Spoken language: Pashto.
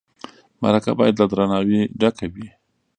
مرکه باید له درناوي ډکه وي.